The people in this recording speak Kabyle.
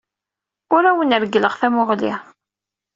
Ur awen-reggleɣ tamuɣli.